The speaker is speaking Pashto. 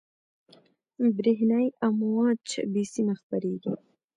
برېښنایي امواج بې سیمه خپرېږي.